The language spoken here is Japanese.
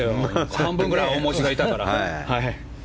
半分ぐらい青文字がいたから。